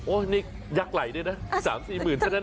นี่ยักษ์ไหลด้วยนะ๓๔หมื่นเท่านั้น